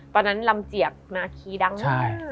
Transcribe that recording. ตอนนั้นลำเจียกมาคีดังมาก